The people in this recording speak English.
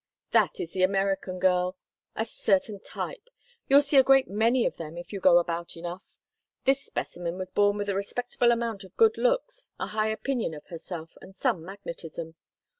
"That is the American girl—a certain type. You'll see a great many of them if you go about enough. This specimen was born with a respectable amount of good looks, a high opinion of herself, and some magnetism.